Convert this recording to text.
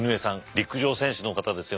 陸上選手の方ですよね。